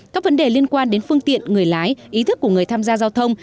các vấn đề liên quan đến phương tiện người lái ý thức của người tham gia giao thông